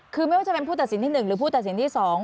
คือไม่ว่าจะเป็นผู้ตัดสินที่๑หรือผู้ตัดสินที่๒